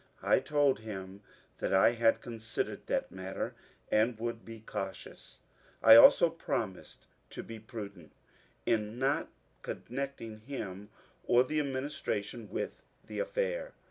I told him that I had considered that matter, uid would be cautious ; I also promised to be prudent in not con necting him or the administration with the affair.